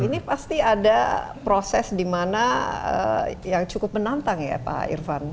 ini pasti ada proses dimana yang cukup menantang ya pak irvan